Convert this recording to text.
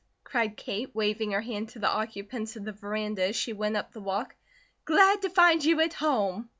cried Kate, waving her hand to the occupants of the veranda as she went up the walk. "Glad to find you at home."